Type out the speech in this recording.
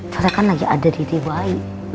mereka kan lagi ada diri wajahnya